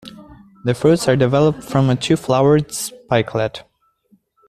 The fruits are developed from a two-flowered spikelet.